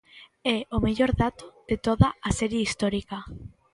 É o mellor dato de toda a serie histórica.